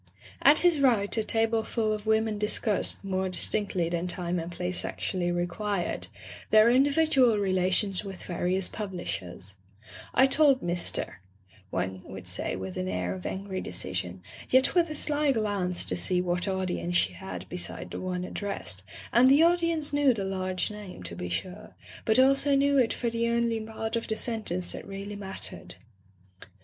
At his right a tableful of women discussed, more distincdy than time and place actually required, their individual relations with various publishers: "I told Mr. " one would say with an air of angry decision, yet with a sly glance to see what audience she had beside the one ad dressed, and the audience knew the large name, to be sure, but also knew it for the only part of the sentence that really mattered.